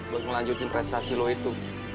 buat ngelanjutin prestasi lo itu